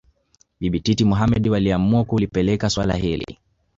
Bibi Titi Mohamed waliamua kulipeleka suala hili